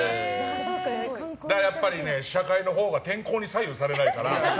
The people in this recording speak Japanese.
やっぱりね、試写会のほうが天候に左右されないから。